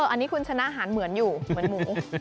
อันนี้คุณชนะหันเหมือนอยู่เหมือนหมู